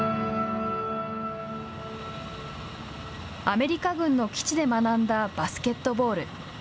アメリカ軍の基地で学んだバスケットボール。